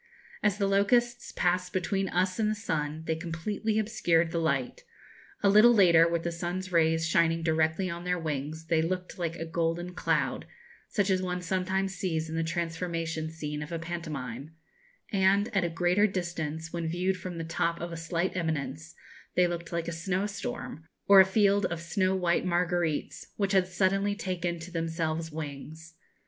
As the locusts passed between us and the sun they completely obscured the light; a little later, with the sun's rays shining directly on their wings, they looked like a golden cloud, such as one sometimes sees in the transformation scene of a pantomime; and, at a greater distance, when viewed from the top of a slight eminence, they looked like a snow storm, or a field of snow white marguerites, which had suddenly taken to themselves wings.